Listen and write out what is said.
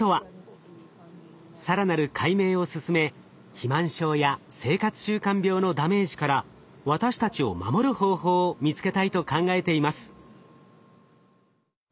更なる解明を進め肥満症や生活習慣病のダメージから私たちを守る方法を見つけたいと考えています。